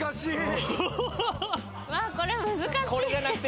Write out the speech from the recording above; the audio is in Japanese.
わあこれ難しい。